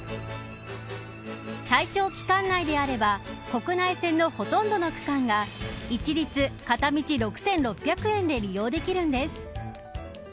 対象期間内であれば国内線のほとんどの区間が一律片道６６００円で利用できるんです。